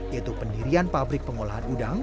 yaitu pendirian pabrik pengolahan udang